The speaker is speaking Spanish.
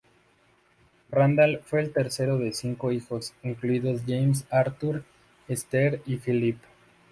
Randall fue el tercero de cinco hijos, incluidos James, Arthur, Esther y Phillip.